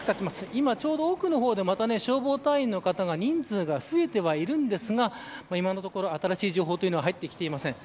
今ちょうど奥の方で、消防隊の方が人数が増えていますが今のところ新しい情報は入ってきていません。